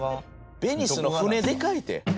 ベニスの船でかいて。